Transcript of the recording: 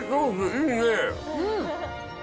いいね。